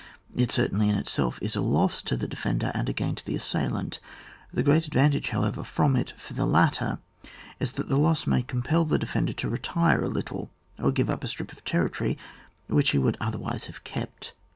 It certainly in itself is a loss to the defender, and a gain to the assailant ; the great advantage, how ever, from it for the latter, is that the loss may compel the defender to retire a little and give up a strip of territory wliich he would otherwise have kept.